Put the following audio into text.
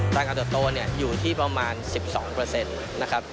การเติบโตอยู่ที่ประมาณ๑๒นะครับ